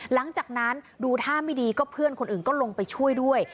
หลังจากนั้นดูท่าไม่ดีก็เพื่อนคนอื่นก็ลงไปช่วยด้วย